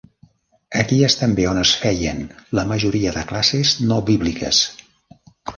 Aquí és també on es feien la majoria de classes no bíbliques.